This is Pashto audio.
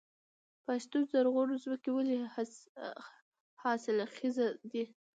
پښتون زرغون ځمکې ولې حاصلخیزه دي؟